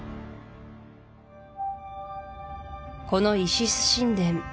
このイシス神殿